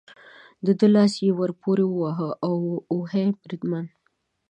د ده لاس یې ور پورې وواهه، اوهې، بریدمن.